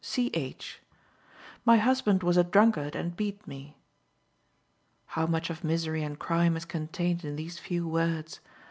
C. H.: "My husband was a drunkard, and beat me." How much of misery and crime is contained in these few words!